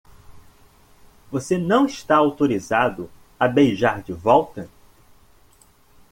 Você não está autorizado a beijar de volta?